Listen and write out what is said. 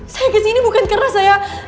saya kesini bukan karena saya